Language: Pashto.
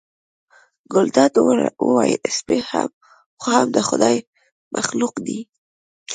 ګلداد وویل سپی خو هم د خدای پاک مخلوق دی.